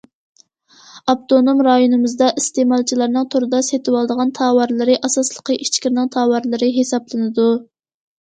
ئاپتونوم رايونىمىزدا ئىستېمالچىلارنىڭ توردا سېتىۋالىدىغان تاۋارلىرى ئاساسلىقى ئىچكىرىنىڭ تاۋارلىرى ھېسابلىنىدۇ.